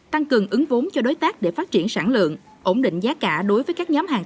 tăng cường ứng vốn cho đối tác để phát triển sản lượng ổn định giá cả đối với các nhóm hàng